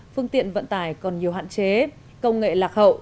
phương tiện vận tải còn nhiều hạn chế công nghệ lạc hậu